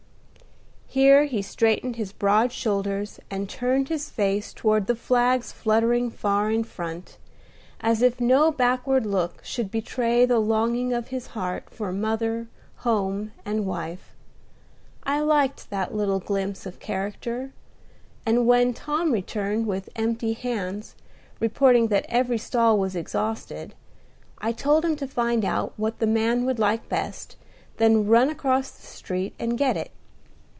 Here he straightened his broad shoulders, and turned his face toward the flags fluttering far in front, as if no backward look should betray the longing of his heart for mother, home, and wife. I liked that little glimpse of character; and when Tom returned with empty hands, reporting that every stall was exhausted, I told him to find out what the man would like best, then run across the street and get it.